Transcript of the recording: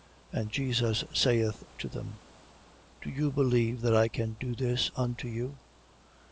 And Jesus saith to them, Do you believe, that I can do this unto you?